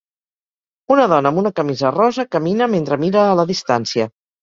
Una dona amb una camisa rosa camina mentre mira a la distància.